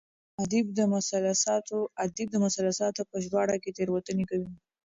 ادیب د مثلثاتو په ژباړه کې تېروتنې کوي.